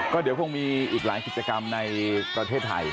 ก็เดี๋ยวคงมีอีกหลายกิจกรรมในประเทศไทย